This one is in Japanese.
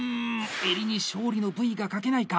襟に勝利のＶがかけないか！